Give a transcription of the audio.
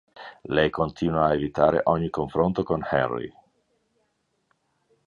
Lei continua a evitare ogni confronto con Henry.